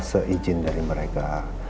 seizin dari mereka